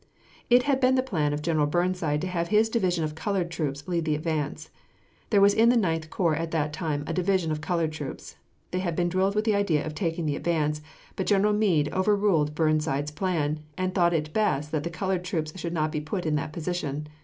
It had been the plan of General Burnside to have his division of colored troops lead the advance. There was in the Ninth Corps at that time a division of colored troops. They had been drilled with the idea of taking the advance, but General Meade overruled Burnside's plan, and thought it best that the colored troops should not be put in that position.